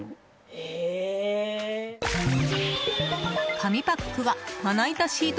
紙パックはまな板シート